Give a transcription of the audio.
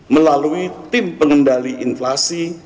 melalui tim pengendali inflasi